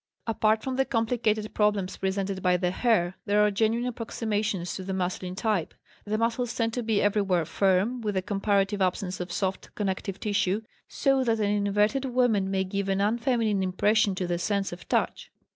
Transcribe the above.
Apart from the complicated problem presented by the hair, there are genuine approximations to the masculine type. The muscles tend to be everywhere firm, with a comparative absence of soft connective tissue; so that an inverted woman may give an unfeminine impression to the sense of touch.